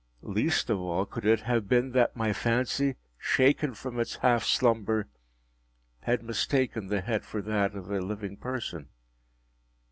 Least of all, could it have been that my fancy, shaken from its half slumber, had mistaken the head for that of a living person.